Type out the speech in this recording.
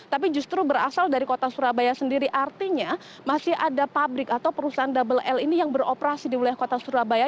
tapi justru berasal dari kota surabaya sendiri artinya masih ada pabrik atau perusahaan double l ini yang beroperasi di wilayah kota surabaya